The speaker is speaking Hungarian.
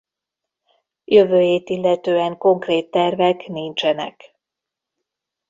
Jövőjét illetően konkrét tervek nincsenek.